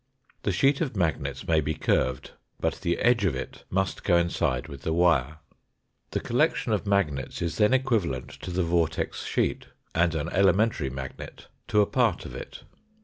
The sheet of magnets may be curved, but the edge of it must coincide with the wire. The collection of magnets is then equivalent to the vortex sheet, and an elementary magnet to a part of it.